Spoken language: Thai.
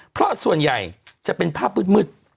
เพราะส่วนใหญ่จะเป็นภาพมืด